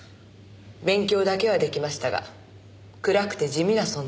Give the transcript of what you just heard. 勉強だけは出来ましたが暗くて地味な存在でした。